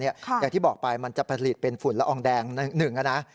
อย่างที่บอกไปมันจะผลิตเป็นฝุ่นละอองแดงหนึ่งนะ